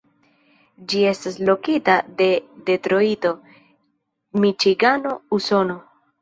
Ĝi estas lokita en Detrojto, Miĉigano, Usono.